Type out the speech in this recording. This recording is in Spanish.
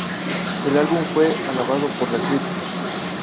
El álbum fue alabado por la crítica.